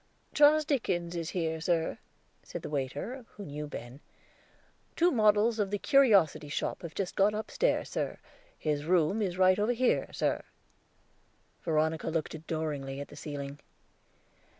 "Charles Dickens is here, sir," said the waiter, who knew Ben. "Two models of the Curiosity Shop have just gone upstairs, sir. His room is right over here, sir." Veronica looked adoringly at the ceiling.